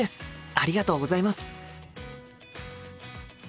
ありがとうございます！